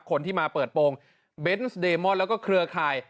คนที่มาเปิดโปรงเบนส์เดมอนแล้วก็เครือข่าย